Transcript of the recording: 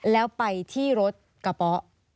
แล้วไปที่รถกระเป๋า